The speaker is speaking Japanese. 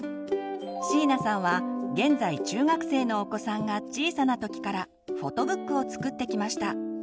椎名さんは現在中学生のお子さんが小さな時からフォトブックを作ってきました。